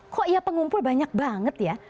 kok ya pengumpul banyak banget ya